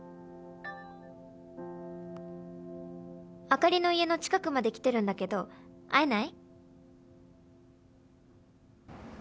「朱里の家の近くまで来てるんだけど会えない？」